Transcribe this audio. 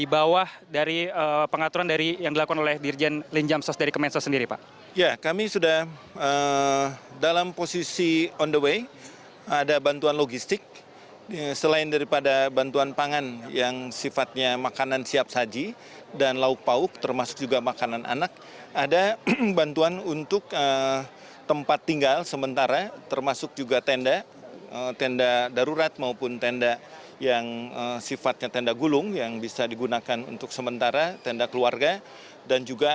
bersama saya ratu nabila